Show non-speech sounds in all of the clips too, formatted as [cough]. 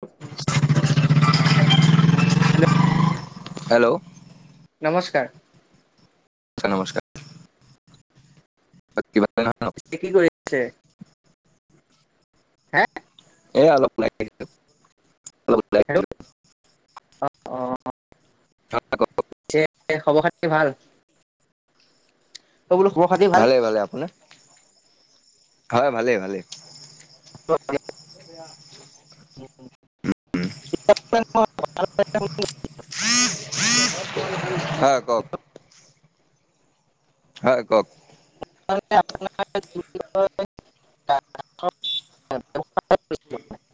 নমস। [inaudible] Hello. নমস্কাৰ। নমস্কাৰ। সতাদ। [unintelligible] কি কৰিছে। হে। এ অলপ অলপ। হেল্ল' [unintelligible] অ' [unintelligible] পিছে খবৰ খাতি ভাল? এইবোলো খবৰ খাতি ভাল। ভালে ভালে আপোনাৰ? হয় ভালেই ভালেই। অ। এয়া। [unintelligible] হা কওক। হয় কওক। আপোনাৰ। [unintelligible] [unintelligible]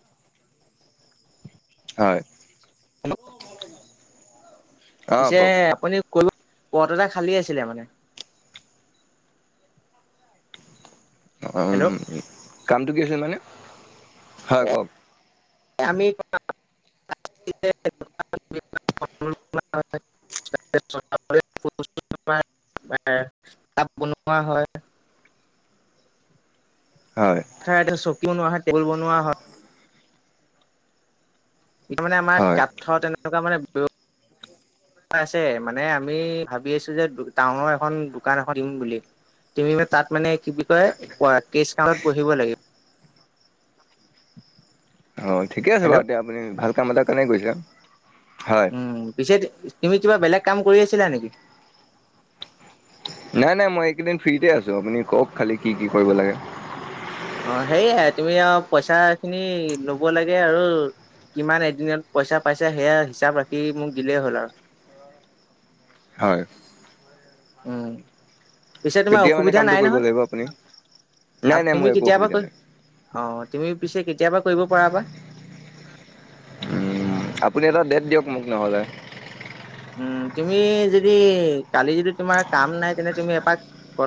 হয়। হেল্ল'। অ' পিছে কওক। আপুনি কলো পদ এটা খালী আছিলে মানে। উ হেল্ল' কামটো কি আছিল মানে হয় কওক। আমি। তাপ বনোৱা হয়। [unintelligible] হয়, খাই চকী বনোৱা হয় টেবুল বনোৱা হয়। এয়া মানে আমাৰ হয়। কাঠৰ তেনেকুৱা মানে। আছে মানে আমি ভাবি আছো যে টাউনৰ এখন দোকান এখন দিম বুলি। তুমি তাত মানে কি কয় কেচ কাউণ্টাৰত বহিব লাগে। অঁ ঠিকে আছে হেল্ল' বাৰু এতিয়া আপুনি ভাল কাম এটা কাৰণেই গৈছে। হয়, উম পিছে তুমি কিবা বেলেগ কাম কৰি আছিলা নেকি? নাই নাই মই এইকেইদিন ফ্ৰীতে আছো‌ আপুনি কওক খালি কি কি কৰিব লাগে। অঁ সেয়াই তুমি আৰু পইচাঁ খিনি লব লাগে আৰু কিমান এদিনত পইচা পাইছে সেয়া হিচাপ ৰাখি মোক দিলেই হ'ল আৰু হয়, উম পিছে তোমাৰ কেতিয়া মানে অসুবিধা কামটো নাই কৰিব নহয় লাগিব আপুনি? নাই আ নাই মোৰ তুমি একো কেতিয়াবা অসুবিধা কৈ নাই। অ তুমি পিছে কেতিয়াবা কৰিব পাৰাবা উম, আপুনি এটা ডেট দিয়ক মোক নহ'লে উম তুমি যদি কালি যদি তোমাৰ কাম নাই তেনে তুমি এপাক ক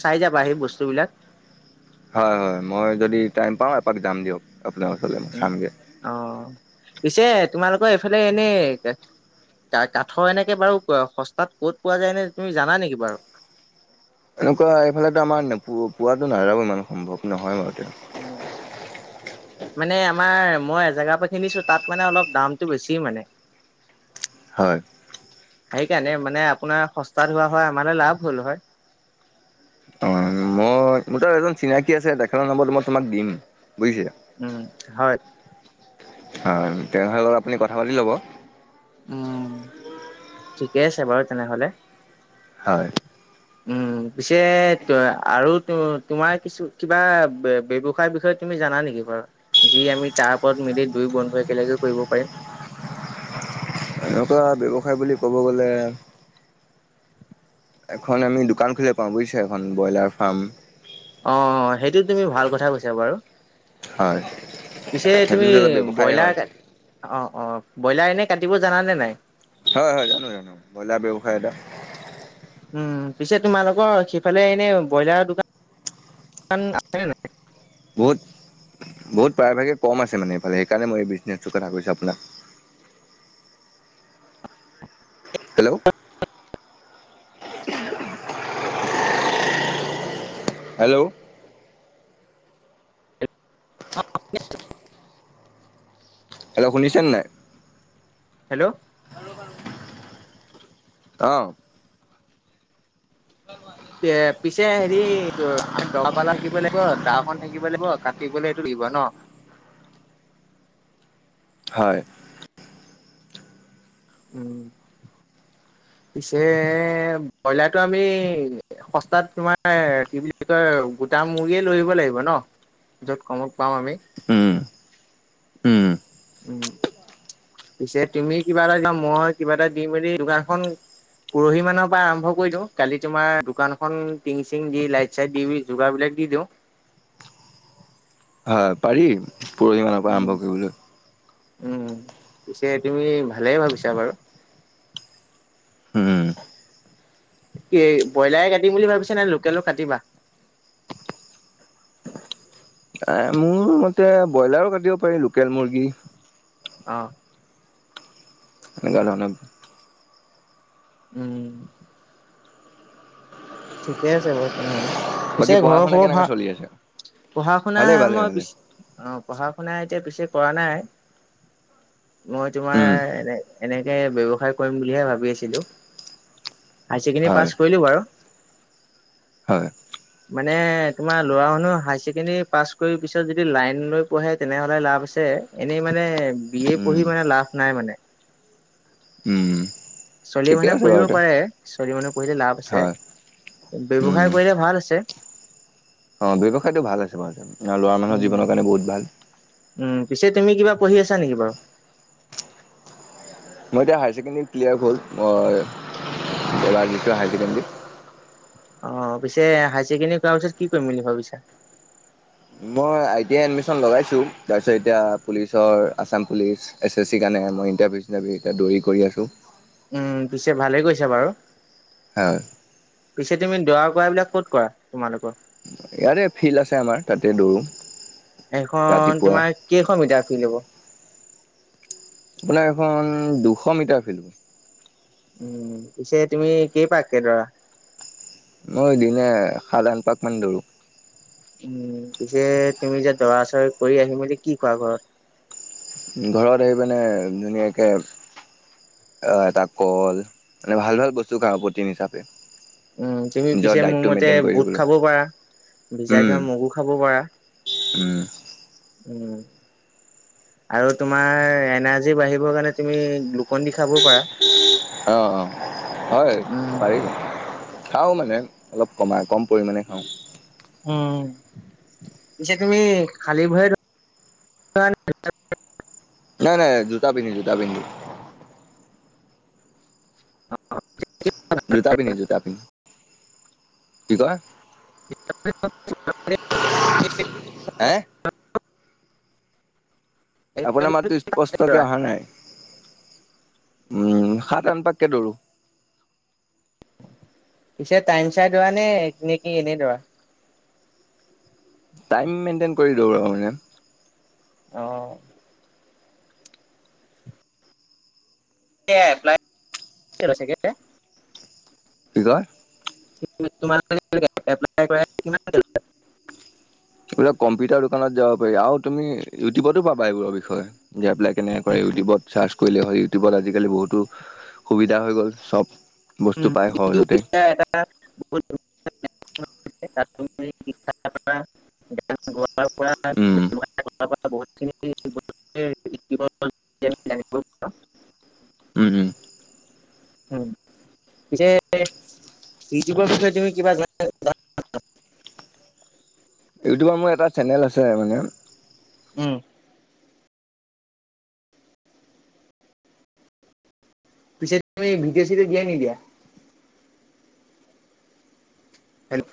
চাই য তিয়াবা সেই বস্তুবিলাক হয় হয় মই যদি টাইম পাওঁ এপাক যাম দিয়ক আপোনাৰ ওচৰলৈ চামগৈ অ'। পিছে তোমালোকৰ এইফালে এনেই কাঠৰ এনেকে বাৰু সস্তাত ক'ত পোৱা যায় এনে তুমি জানা নেকি বাৰু? এনেকুৱা এইফালেতো আমাৰ পোৱাটো নাযাব ইমান সম্ভৱ নহয় উম মানে আমাৰ মই এজেগা পৰা কিনিছো তাত মানে অলপ দামতটো বেছি মানে [unintelligible] হয় সেইকাৰণে মানে আপোনাৰ সস্তাত হোৱা হয় আমাৰ লাভ হ'ল হয় অঁ মই মোৰ তো এজন চিনাকী আছে তেখেতৰ নম্বৰটো মই তোমাক দিম বুজিছে। উম হয়। হয় তেনেহ'লে লগত আপুনি কথা পাতি ল'ব‌। উম ঠিকে আছে বাৰু তেনেহলে, হয়। উম পিছে ত আৰু তোমাৰ কিছু কিবা ব্যৱসায়ৰ বিষয়ে তুমি জানা নেকি বাৰু যি আমি তাৰ ওপৰত মিলি দুইয়ো বন্ধু একেলগে কৰিব পাৰিম। [unintelligible] এনেকুৱা ব্যৱসায় বুলি ক'ব গ'লে এখন আমি দোকান খুলিব পাওঁ বুজিছে এখন ব্ৰইলাৰ ফাৰ্ম। অঁ সেইটো তুমি ভাল কথা কৈছা বাৰু হয় পিছে তুমি সেইটোতো এটা ব্যৱসায় বইলাৰ হয়। কাট, অ অ। বইলাৰ এনে কাটিব জানানে নাই? হয় হয় হয়, বইলাৰ ব্যৱসায় এটা উম পিছে তোমালোকৰ সিফালে এনে বইলাৰৰ দোকান‌ কান আছে নে নাই? বহুত। বহুত প্ৰায়ভাগে কম আছে মানে এইফালে সেইকাৰণে মই এই বিজনেছটোৰ কথা কৈছোঁ আপোনাক। Hello hello. [unintelligible] হেল্ল', শুনিছে নে নাই? হেল্ল'। অ'। এ পিছে হেৰি আমি দকা পালা থাকিব লাগিব, দা এখন থাকিব লাগিব কাটিবলে এইটো দিব ন? হয়। উম। পিছে বইলাৰতটো আমি সস্তাত তোমাৰ কি বুলি কয় গোটা মুৰ্গীয়ে লৈ আহিব লাগিব‌ ন যত পাও আমি? উম, উম। উম পিছে তুমি কিবা এটা য মই কিবা এটা দি মেলি দোকানখন পৰহি মানৰ পৰা আৰম্ভ কৰি দিওঁ, কালি তোমাৰ দোকানখন টিং চিং দি লাইট চাইট দি বি যোগাৰ বিলাক [unintelligible] দিও। হয় পাৰি পৰহি মানৰ পৰা আৰম্ভ কৰিবলৈ। উম, পিছে তুমি ভালেই ভাবিছা বাৰু। উম, কি বইলাৰে কটিম বুলি ভাবিছা নে লোকেলো কাটিবা? [inaudible] এ মোৰ মতে ব্ৰইলাৰো কাটিব পাৰি লোকেল মুৰ্গী। অ'। [unintelligible] উম। ঠিকে আছে বাৰু তেনেহলে। বাকী পিছে পঢ়া ঘৰৰ শুনা খবৰ ভা, কেনেকা চলি আছে? পঢ়া শুনা ভালেই ভালেই মই ভালেই, পিছ অ পঢ়া শুনাই এতিয়া পিছে কৰা নাই। মই তোমাৰ উম, এনে - এনেকে ব্যৱসায় কৰিম বুলিহে ভাবি আছিলোঁ। হাই ছেকেণ্ডেৰী পাছ হয়। কৰিলো বাৰু। হয়, মানে তোমাৰ লৰা মানুহ হাই ছেকেণ্ডৰী পাছ কৰি পিছত যদি লাইন লৈ পঢ়ে তেনেহলে লাভ। আছে এনেই মানে বি এ উম, পঢ়ি মানে লাভ নাই মানে। উম, ছোৱলীয়ে ঠিকে মানুহে আছে পঢ়িব বাৰুতে পাৰে ছোৱালী মানুহ পঢ়িলে লাভ আছে। হয়, উম। ব্যৱসায় কৰিলে ভাল আছে। অ ব্যৱসায়টো ভাল আছে বাৰু, ল'ৰা মানুহৰ উম জীৱনৰ কাৰণে বহুত ভাল। উম পিছে তুমি কিবা পঢ়ি আছা নেকি বাৰু? মই এতিয়া হায় ছেকেণ্ডীত ক্লিলিয়াৰ হল মই এইবাৰ দিছোঁ হায় ছেকেণ্ডাৰী। অ পিছে হায় ছেকেণ্ডৰী কৰাৰ পিছত কি কৰিম বুলি ভাবিছা? মই আই টি আই এডমিচন লগাইছো, তাৰপিছত এতিয়া পুলিচৰ আছাম পুলিচ, ‌এছ এছ চিৰ কাৰণে মই ইণ্টাৰভিউ চিটাৰভিউ এয়া দৌৰি কৰি আছোঁ। উম! পিছে ভালে কৰিছা বাৰু। হয়। পিছে তুমি দৰা কৰা এই বিলাক কত কৰা তোমালোকৰ? ইয়াতে ফিল্ড আছে আমাৰ তাতেই দৌৰোঁ। এইখন ৰাতিপুৱা তোমাৰ কেইশ মিটাৰ ফিল্ড হ'ব? আপোনাৰ এইখন দুশ মিটাৰ ফিল্ড। উম পিছে তুমি কি পাক কেই ধৰা। মই দিনে সাত আঠ পাক মান দৌৰোঁ। উ পিছে তুমি যে দৰা চৰি কৰি আহিম যে কি কোৱা ঘৰত। ঘৰত আহি মানে ধুনীয়াকৈ এটা কল মানে ভাল ভাল বস্তু খাৰ প্ৰতিম হিচাপে। উম তুমি নিজৰ পিছে মোৰ ডাইটটো মতে মেইনটেইন কৰি বুট থাকিবলৈ খাব পাৰা। ভিজাই উম থোৱা মগু খাব পাৰা। উম উম আৰু তোমাৰ এনাৰ্জি বাঢ়িবৰ কাৰণে তুমি গ্লুকন দি খাব। পাৰা। অঁ অঁ হয় উম পাৰিব। খাওঁ মানে অলপ কমাই কম পৰিমাণে খাওঁ। উম পিছে তুমি খালী ভৰি নাই নাই জুতা পিন্ধি জুতা পিন্ধি। অ জুতা পিন্ধি, জুতা পিন্ধি, কি কয় [inaudible] হে ভৰিৰে আপোনাৰ মাতো স্পষ্টকে অহা নাই। উম সাত আঠ পাককে দৌৰো। পিছে টাইম চাই দৌৰা নে নে কি এনেই দৌৰা। টাইম মেইনটেইন কৰি দৌৰো বাৰু মানে। অহ এ এপ্লাইছে কে কি কয় তোমাৰ মানে এপ্লাই কৰা কিমানকে লয় এইবিলাক কম্পিউটাৰ দোকানত যাব পাৰি আৰু তুমি ইউটিউবতো পাবা এইবোৰৰ বিষয়ে- যাই পেলাই কেনেক কৰে ইউটিউবত চাৰ্চ কৰিলে হয় ইউটিউবত আজিকালি বহুতো সুবিধা হৈ গ'ল চব বস্তু পাই। সহজতে এ বহুত শিক্ষান গ [unintelligible] উম ত বহুতখিনি ব জানিব পাৰো উম হম উম পিছে ইউটিউবৰ বিষয়ে তুমি কিবা জানা। [inaudible] ইউটিউবৰ মোৰ এটা চেনেল আছে মানে। উম পিছে তুমি ভিডিঅ' চিডিঅ' দিয়া নিদিয়া হয়াত